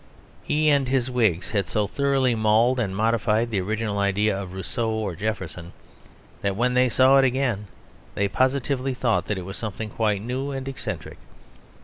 He and his Whigs had so thoroughly mauled and modified the original idea of Rousseau or Jefferson that when they saw it again they positively thought that it was something quite new and eccentric.